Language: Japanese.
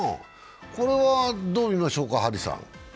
これはどう見ましょうか、張さん。